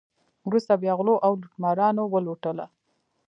وروسته بیا غلو او لوټمارانو ولوټله.